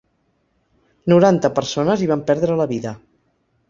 Noranta persones hi van perdre la vida.